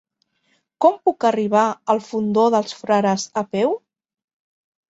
Com puc arribar al Fondó dels Frares a peu?